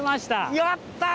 やったー！